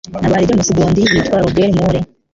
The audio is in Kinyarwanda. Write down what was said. Ntabwo ari James Bond; yitwa Roger Moore.